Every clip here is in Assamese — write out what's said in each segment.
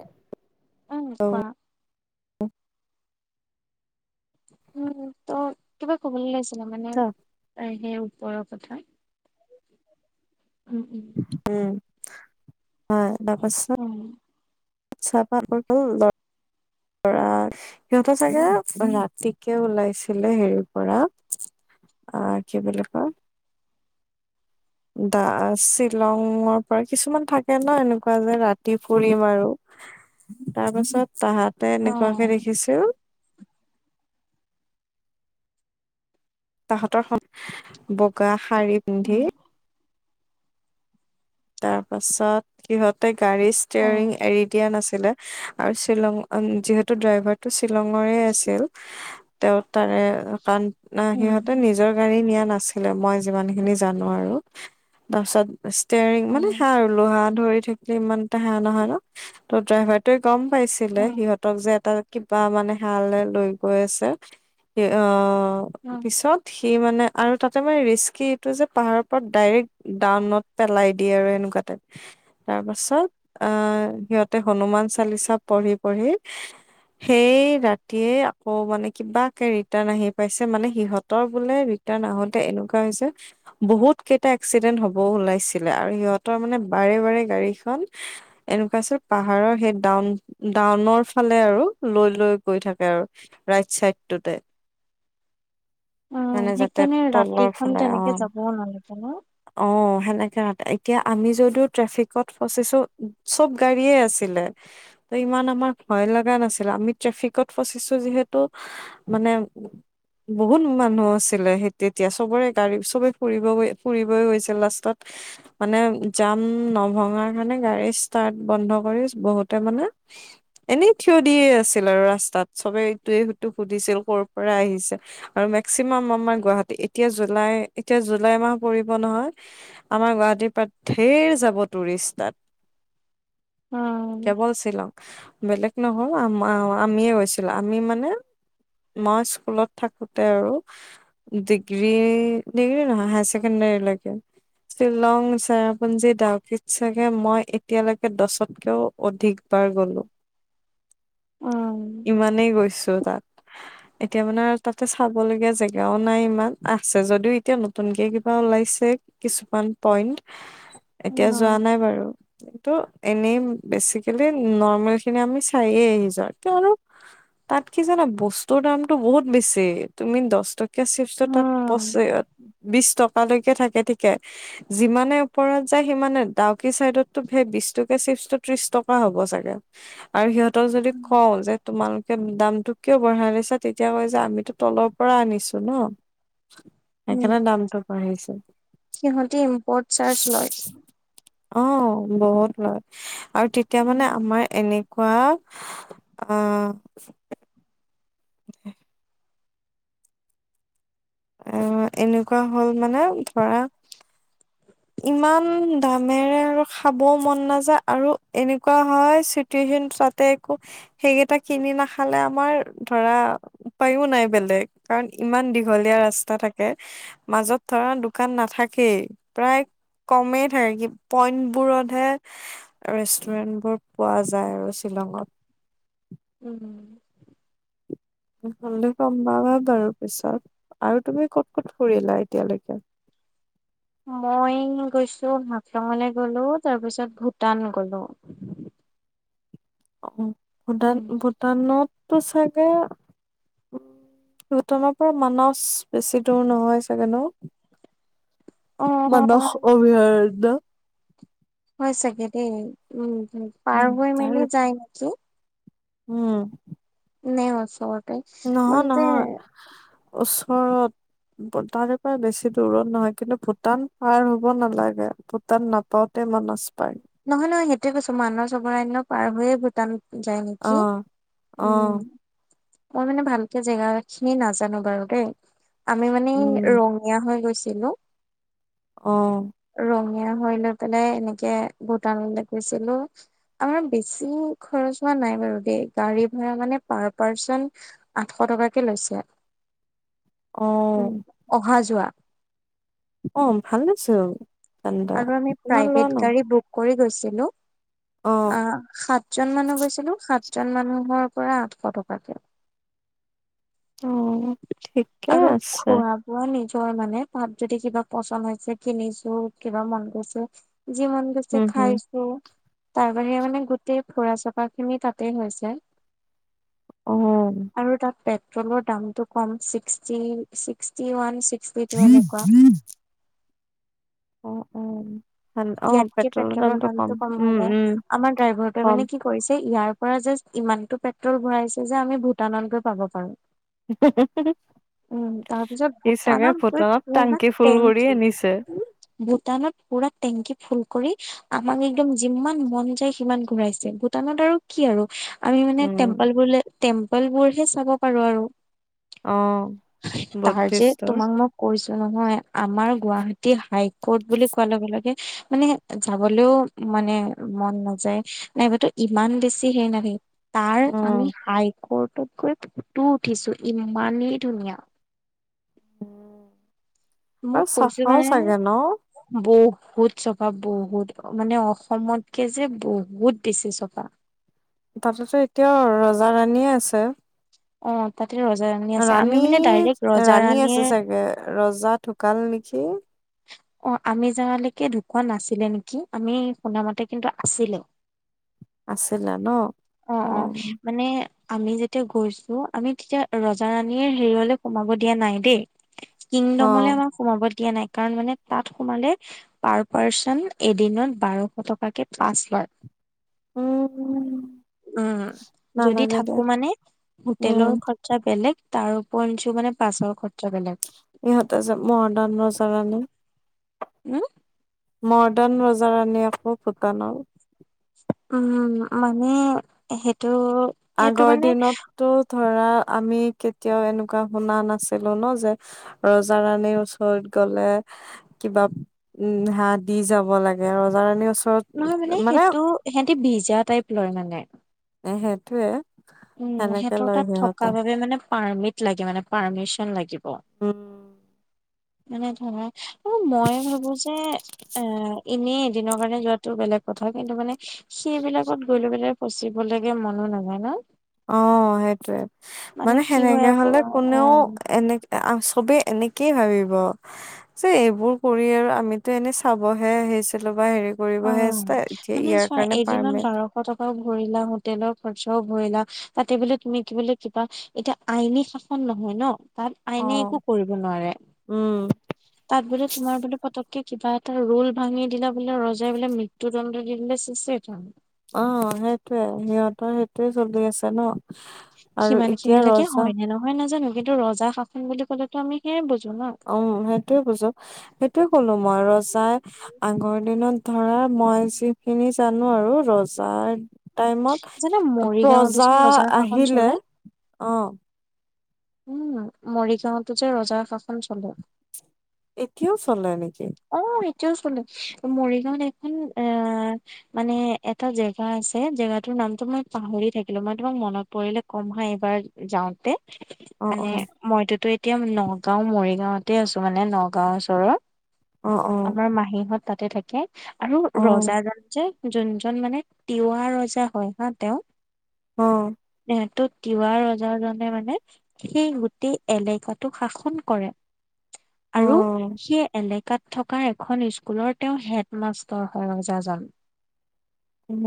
অ'। অহ, কোৱা। উম, ত' কিবা ক'বলে লৈছ ত' মানে অ', সেই বৰো কথা। উম, উম। উম, হয় বা উম। চাহপা [unintelligible] ল'ৰা সিহঁতৰ চাগে ৰাতিকে ওলাইছিলে হেৰিৰ পৰা, অ', কি বুলি কয় দা শ্বিলঙৰ পৰা কিছুমান থাকে ন' এনেকুৱা যে ৰাতি ফুৰিম আৰু তাৰপাছত তাহাতে অ এনেকুৱাকে দেখিছিল তাহতৰ খন বগা শাৰী পিন্ধি। তাৰ পাছত সিহঁতে গাড়ীৰ অ ষ্টেয়াৰৰিং এৰি দিয়া নাছিল ছিলে, আৰু শ্বিলং আন যিহেতু ড্ৰাইভাৰটো শ্বিলঙৰে আছিল। তেওঁ তাৰে কাৰণ উম উম। সিহঁতে নিজৰ গাড়ী নিয়া নাছিল। মই যিমান খিনি জানো আৰু, তাৰপিছত ষ্টেয়াৰৰিং অ মানেহ আৰু লোহাত ধৰি থাকিলে ইমান এটা সাহ নহয় ন, ত ড্ৰাইভাৰটোৱে গম পাইছিলে সিহঁতক যে এটা কিবা মানে হালৈ লৈ গৈ আছে, অ অ' অ পিছত সি মানে, আৰু তাতে মানে ৰিস্কি এইটো যে পাহাৰৰ পৰা ডাইৰেক্ট ডাউনত পেলাই দিয়ে আৰু এনেকুৱা টাইপ, তাৰ পাছত আহ সিহঁতে হনুমান চালিচা পঢ়ি পঢ়ি, সেই ৰাতিয়ে আকৌ মানে কিবাকে ৰিটাৰ্ণ আহি পাইছে, মানে সিহঁতৰ বোলে ৰিটাৰ্ণ আহোতে এনেকুৱা হৈছে বহুত কেইটা এক্সিডেন্ট হবও ওলাইছে আৰু সিহঁতৰ মানে বাৰে বাৰে গাড়ীখন এনেকুৱা আছিল পাহাৰৰ সেই ডাউন-ডাউনৰ ফালে আৰু লৈ লৈ গৈ থাকে আৰু, ৰাইট চাইডটোতে। উম মানে যাতে সেইকাৰণে তলৰ ৰাতিখন ফালে, তেনেকে অ', যাবও নালাগে ন। অ', সেনেকে এতিয়া আমি যদিও ট্ৰেফিকত ফচিছো চব গাড়ীয়ে আছিলে, ত ইমান আমাৰ ভয় লগা নাছিল, আমি ট্ৰেফিকত ফচিছো যিহেতু মানে বহুত মান মানুহ আছিলে, সেই তেতিয়া চবৰে গাড়ী চবে ফুৰিবৈ ফুৰিবই গৈছিল লাষ্টত, মানে জাম নভঙা কাৰণে গাড়ী ষ্টাৰ্ট বন্ধ কৰি বহুতে মানে এনেই থিয় দিয়ে আছিল আৰু ৰাস্তাত চবে ইটোৱে সুটো সুধিছিল ক'ৰ পৰা আহিছে আৰু মেক্সিমাম আমাৰ গুৱাহাটী, এতিয়া জুলাই, এতিয়া জুলাই মাহ পৰিব নহয় আমাৰ গুৱাহীৰ পা ধেৰ যাব টুৰিষ্ট তাত। উম কেৱল শ্বিলং বেলেগ নহল আমাও আমিয়ে গৈছিলো, আমি মানে মা স্কুলত থাকোতে আৰু ডিগ্ৰী, ডিগ্ৰী নহয় হায় ছেকেণ্ডৰীলৈকে, শ্বিলং, চেৰাপুঞ্জী ডাউকীত, চাগে মই এতিয়ালৈকে দছতকেও অধিকবাৰ গলো। উম ইমানেই গৈছো তাত। এতিয়া মানে তাতে চাব লগীয়া জেগাও নাই ইমান, আছে যদিও এতিয়া নতুনকে কিবা ওলাইছে কিছুমান পইণ্ট। এতিয়া যোৱা উম নাই বাৰু। এনেই বেচিকেলি নৰ্মেল খিনি আমি চাইয়ে আহিছোঁ আৰু, তাত কি জানা বস্তুৰ দামতটো বহুত বেছি, তুমি দহ চিপছটো তাত পঁচ উম। বিশ টকা থকালৈকে থাকে ঠিকে, যিমানে ওপৰত যায় সিমানে ডাউকি চাইদতটো বিশ টকীয়া চিপচটো ত্ৰিশ টকা হব চাগে, আৰু সিহঁতক যদি কও যে তোমালোকে দামতটো কিয় বঢ়াই লৈছা তেতিয়া কয় যে আমিতো তলৰ পৰা আনিছো। ন উ, সেইকাৰণে দামটো বাঢ়িছে সিহঁতে ইম্পৰ্ট চাৰ্জ লয়। অ', বহুত লয়। আৰু তেতিয়া মানে আমাৰ এনেকুৱা আহ। আহ এনেকুৱা হ'ল মানে ধৰা ইমান দামেৰে আৰু খাবও মন নাযায়, আৰু এনেকুৱা হয় চিটুৱে্চন তাতে একো সেইকেইটা কিনি নাখালে আমাৰ ধৰা উপায়ো নাই বেলেগ, কাৰণ ইমান দীঘলীয়া ৰাস্তা থাকে, মাজত ধৰা দোকান নাথাকেই। প্ৰায় কমেই থাকে কি পইন্টবোৰতহে ৰেষ্টুৰেণ্টবোৰ পোৱা যায় আৰু শ্বিলঙত। উম। হ'লে গম পাবা বাৰু পিছত আৰু তুমি ক'ত ক'ত ফুৰিলা এতিয়ালৈকে? মই গৈছো হাফলঙলে গ'লো তাৰপিছত ভূটান গ'লো। অ'। ভূটান, উম। ভূটানত তটো চাগে উম, ভূটানৰ পৰা মানস বেছি দূৰ নহয় চাগে ন'? মানস অ অভয়াৰণ্য। হয় চাগে দেই, উম। উম, পাৰ হৈ মেলি যায় নেকি। উম। নে ওচৰ নহয়, নহয়। ওচৰত তাৰে পৰা বেছি দূৰত নহয় কিন্তু ভূটান পাৰ হ'ব নালাগে ভূটান নাপাওঁতে মানস। পাই নহয়, নহয় হে টোৱে কৈছো মানস অভয়াৰণ্য পাৰ হৈয়ে ভূটান যায় নেকি? অ', উম। অ', মই মানে ভালকে জেগাখিনি নাজানো বাৰু দেই। আমি মানে এই উম, ৰঙীয়া হৈ গৈছ কিনো অ', ৰঙীয়া হৈ না তেনে এনেকে ভূটানলৈ গৈছিলো, আমাৰ বেছি খৰচ হোৱা নাই বাৰু দেই, গাড়ী ভাৰা মানে পাৰ পাৰ্চন আঠশ টকাকে লৈছে। উম, অ', অহা যোৱা। অ', ভালেচোন আৰু আমি প্ৰাইভেত গাড়ী বুক কৰি গৈছ ছিলোঁ অ', আ, সাতজন মানুহ গৈছিলোঁ, সাতজন মানুহৰ পৰা আঠশ টকাকে অ', ঠিকে আছে। জৰ মানে, তাত যদি কিবা পচন্দ হৈছে কিনিছো, কিবা মন গৈছে যি মন গৈছে উম, হম, খাইছো তাৰ বাহিৰে মানে গোটেই ফুৰা চকাখিনি তাতেই হৈছে। অ'। চনৰ দামটো one sixty, sixty one C [unintelligible] এনেকুৱা উ উম ইয়াতকে পেট্ৰলৰ দামতটো কম হৈ উম, উম। যায় আমাৰ ড্ৰাইভাৰটোৱে কম মানে কি কৰিছে ইয়াৰ [unintelligible] পৰা যাষ্ট ইমানটো পেট্ৰল ভৰাইছে যে আমি ভূটানত গৈ পাব পাৰো। [unintelligible] উম, তাৰপিছত সি চাগে ভূটানত গৈ ভুটানত পুৰা টাংকি ফুল কৰি টেংকি আনিছে। ভূটানত পুৰা টেংকি ফুল কৰি আমাক একদম যিমান মন যায় সিমান ঘূৰাইছে ভূটানত আৰু কি আৰু আমি মানে উম, টেম্পল বোলে টেম্পল বোৰহে চাব পাৰো আৰু অ', তাৰ যে বুদ্ধিষ্টৰ তোমাক মই কৈছো। নহয় আমাৰ গুৱাহাটী হাইক ক'ত বুলি কোৱাৰ লগে লগে মানে যাবলৈও মানে মন নাযায় নাইবাতো ইমান বেছি হেৰি নাহি তাৰ উম। আমি হাই কৰ্ট ফটককৈ ফটো উঠিছো ইমানেই ধুনীয়া। উম। মোক কৈছো মানে বৌ। বহুত চফা বহুত মানে অসমতকে যে বহুত বেছি চফা। তাতেতো এতিয়াও ৰজা ৰাণীয়ে আছে। অ' তা ৰাণী, ৰাণী আছে ৰাণীৰ চাগে ৰজা ঢুকাল নেকি [unintelligible] অ' আমি যাৱালৈকে ঢুকুৱোৱা নাছিলে নেকি আমি শুনামতে কিন্তু আছিলে। আছিলে ন অ। আমি যেতিয়া গৈছো আমি তেতিয়া ৰজা ৰাণীৰ হেৰিয়লৈ সোমাব দিয়া নাই দেই। কিংডমলৈ অ', আমাৰ সোমাব দিয়া নাই। কাৰণ মানে তাত সোমালে পাৰ পাৰ্চন এদিনত বাৰশ টকাকে পাছ লয়। উম। উম যদি নালাগে দিয়া থাকো মানে উম, হোটেলৰ খৰচা বেলেগ তাৰ ওপৰত নিছো মানে পাছৰ খৰচা বেলেগ। ইহঁতে যে মডাৰন ৰ চাগ ন। উম। মৰ্ডান ৰজা ৰাণী আকৌ ভূটানৰ। উম মানে সেইটো এইটো আগৰ মানে দিনতো। ধৰা আমি কেতিয়াও এনেকুৱা শুনা নাছিলো ন যে ৰজা ৰাণীৰ ওচৰত গলে কিবা উম হাত দি যাব লাগে ৰজা ৰাণীৰ ওচৰত। নহয় মানে সেইটো সিহতে ভিজা টাইপ লয় মানে। অ। এ সেইটোৱে। উম সিহঁতৰ তাত থকা বাবে মানে পাৰ্মিট লাগে মানে পাৰমিশন লাগিব। উম। এনেে ধৰা অ মই ভাবো যে এ এনেই এদিনৰ কাৰণে যোৱাাতটো বেলেগ কথা কিন্তু মানে, সেইবিলাকত গৈ লৈ পেলাই ফচিবলৈকে মনো নাযায় ন। অ সেইটয়ে মানে কি হয় সেনেকে আকৌ হলে কোনেও অ', এনে। চবে এনেকেই ভাবিব যে এইবোৰ কৰি আৰু আমিতো এনে চাবহে আহিছিলো বা হেৰি অ কৰিবহে আহিছিলো, এতিয়া মানে ইয়াৰ চোৱা কাৰণে এদিনত পাৰ্মিট বাৰশ টকাও ভৰিলা হোটেলৰ খৰ। ভৰিলা তাতে বোলে তুমি কি বোলে কিবা, এতিয়া আইনী শাসন নহয় ন। তাত অ আইনে একো কৰিব নোৱাৰে উম তাত বোলে তোমাৰ বানে পতককে। কিবা এটা ৰোল ভাঙি দিলা বোলে ৰজ। বলে মৃত্যু দণ্ড দিলে চেছে হৈ অ সেতোয়ে সিহঁতৰ সেতোয়ে। তে চলি আছা ন। আৰু সিমান এতিয়া খিনিলৈকে ৰজা হয় নে নহয় নাজানো। কিন্তু ৰজা শাসন বুলি কলে আমি তো সেয়াই বুজোঁ। অহ সেইটোয়ে বুজো সেইটোয়ে কলো মই ৰজাই আগৰ দিনত। ধৰা মই যিখিনি জানো আৰু ৰজাৰ টাইমত যেনে মৰিগাঁৱতো যে প্ৰজা ৰজাৰ শাসন আহিলে চলে অ। উম মৰিগাঁৱতো যে ৰজা শাসন চলে। কিয় চলে এনেকে। অ এতিয়াও চল মৰিগাঁওত এখন অ মানে, এটা জেগা আছে জেগাটোৰ নামটো মই পাহৰি থাকিলো মই তোমাক মনত পৰিলে কম হা এইবাৰ যাওঁতে। অ অ মানে মই তোতো। এতিয়া নগাঁও মৰিগাঁওতে আছো মানে নগাঁওৰ ওচৰৰত। অ অ আমাৰ মাহীহঁত তাতে থাকে। আৰু অ ৰজা জান যে। যোনজন মানে তিৱা ৰজা হয় হা তেওঁ। অ এটোত তিৱা ৰজাজনে মানে সেই গোটেই এলেকাটো শাসন কৰে। আৰু অ সেই এলেক থকা এখন স্কুলৰ তেওঁ হেডমাষ্টৰ হৈ ৰজাজন। উম।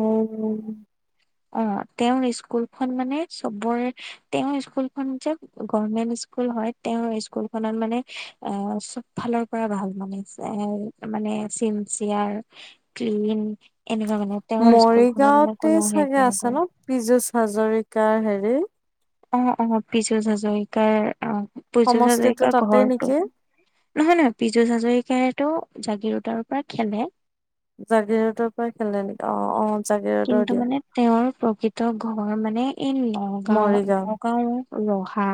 অ', তেওঁৰ স্কুলখন মানে, চবৰে তেওঁৰ স্কুলখন যে গভমেন্ট স্কুল হয়, তেওঁৰ স্কুলখনত মানে অহ, চব ফালৰ পৰা ভাল মানে। এ মানে চিনচিয়াৰ, ক্লিন। এনেকুৱা মানে তেওঁৰ স্কুলখনত মানে মৰিগাঁওতে কোনো হেৰি চাগে আছে নকৰে ন' পিযুষ হাজৰিকাৰ হেৰি। অ', অ', পিযুষ হাজৰিকাৰ অ', পিযুষ সমষ্টিটো হাজৰিকা তাতে ঘৰটো, নেকি নহয়, নহয়, পিযুষ হাজৰিকাইটো জাগীৰোডৰ পৰা খেলে। জাগীৰোডৰ পৰা খেলে নেকি? অ', অ'। জাগিৰোডৰ কিন্তু দিয়া, মানে তেওঁৰ প্ৰকৃত ঘৰ মানে এই নগাঁও, মৰিগাঁও। নগাঁও ৰহা।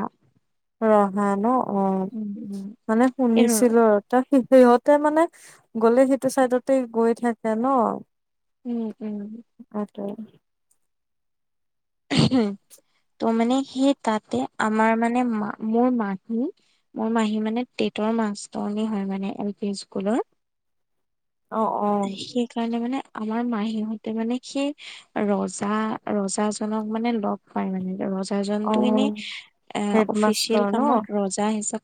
ৰহা ন'? উম অ', উম মানে এই শুনিছিলো ৰতা সি সিহঁতে মানে গ'লে সেইটো চাইডতে গৈ থাকে ন'। উম, উম। ত' ত' মানে সেই তাতে আমাৰ মানে মা মোৰ মাহী, মোৰ মাহী মানে টেটৰ মাষ্টৰণী হয় মানে এল পি স্কুলৰ। অ', অ', সেইকাৰণে মানে আমাৰ মাহীহতে মানে সেই ৰজা ৰজা জনক মানে লগ পাই মানে ৰজ জনটো এনে অ', এ অফিচিয়েল হেডমাষ্টৰ ন? কামত ৰজা হিচাপে